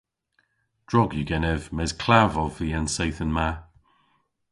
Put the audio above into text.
Drog yw genev mes klav ov vy an seythen ma.